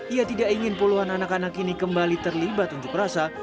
ia tidak ingin puluhan anak anak ini kembali terlibat unjuk rasa